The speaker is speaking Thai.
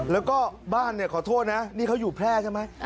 แล้วก็บ้านเนี่ยขอโทษนะนี่เขาอยู่แพร่ใช่ไหม